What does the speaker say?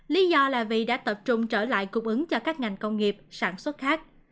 lý do là vì đã tập trung trở lại cung ứng cho các ngành công nghiệp sản xuất khác